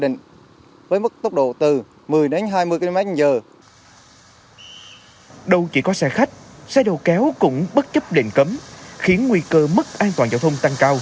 nhất là xe đồ kéo cũng bất chấp đền cấm